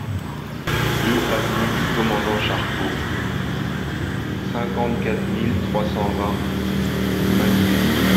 deux avenue du Commandant Charcot, cinquante-quatre mille trois cent vingt Maxéville